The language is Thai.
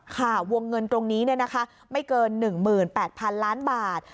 วงเงินตรงนี้ไม่เกิน๑๘๐๐๐ล้านบาท